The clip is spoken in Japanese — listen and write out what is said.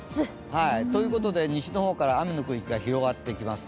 ということで、西の方から雨の区域が広がっていきます。